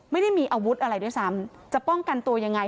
ไม่ได้มีอาวุธอะไรด้วยซ้ำจะป้องกันตัวยังไง